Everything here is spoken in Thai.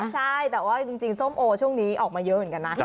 ใช่แต่ว่าจริงส้มโอช่วงนี้ออกมาเยอะเหมือนกันนะ